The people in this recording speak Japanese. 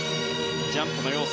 ジャンプの要素